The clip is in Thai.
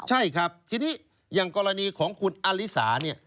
ใช่ครับทีนี้อย่างกรณีของคุณอลิสาเนี่ย